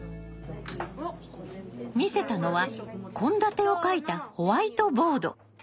見せたのは献立を書いたホワイトボード。